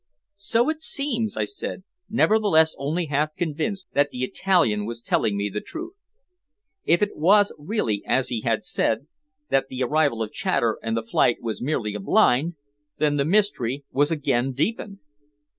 "So it seems," I said, nevertheless only half convinced that the Italian was telling me the truth. If it was really, as he had said, that the arrival of Chater and the flight was merely a "blind," then the mystery was again deepened.